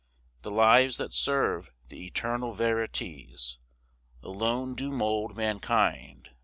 The lives that serve the eternal verities Alone do mould mankind.